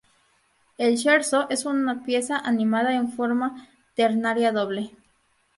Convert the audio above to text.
El scherzo es un pieza animada en forma ternaria doble.